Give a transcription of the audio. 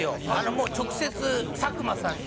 もう直接佐久間さんに。